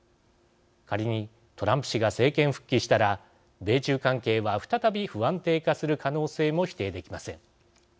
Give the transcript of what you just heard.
仮にトランプ氏が政権復帰したら米中関係は再び不安定化する可能性も否定できません。